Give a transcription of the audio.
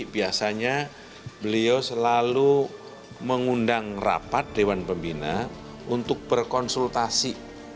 biasanya beliau selalu mengundang rapat dewan pembina untuk berkonsultasi